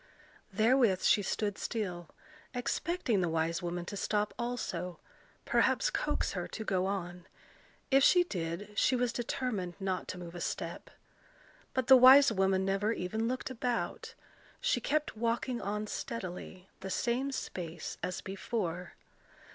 Therewith she stood still, expecting the wise woman to stop also, perhaps coax her to go on: if she did, she was determined not to move a step. But the wise woman never even looked about: she kept walking on steadily, the same pace as before.